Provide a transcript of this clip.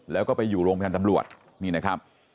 แล้วก็ไปอยู่โรงพยาบาลตำรวจนี่นะครับ